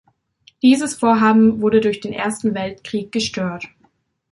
Dieses Vorhaben wurde durch den Ersten Weltkrieg gestört.